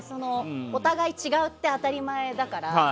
お互いに違って当たり前だから。